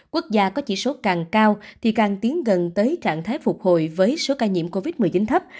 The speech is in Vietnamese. quốc gia có chỉ số càng cao thì càng tiến gần tới trạng thái phục hồi với số ca nhiễm covid một mươi chín thấp